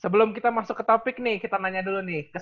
sebelum kita masuk ke topik nih kita nanya dulu nih